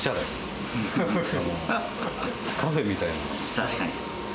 確かに。